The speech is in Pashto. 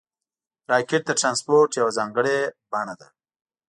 راکټ د ترانسپورټ یوه ځانګړې بڼه ده